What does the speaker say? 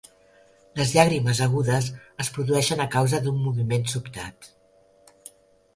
Les llàgrimes agudes es produeixen a causa d'un moviment sobtat.